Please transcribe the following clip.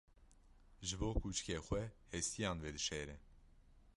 Ji bo kûçikê xwe hestiyan vedişêre.